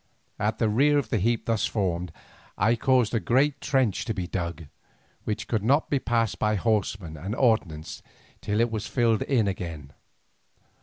At the rear of the heap thus formed I caused a great trench to be dug, which could not be passed by horsemen and ordnance till it was filled in again.